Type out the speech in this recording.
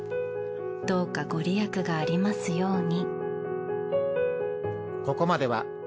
どうか御利益がありますように。